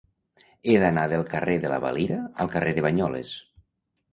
He d'anar del carrer de la Valira al carrer de Banyoles.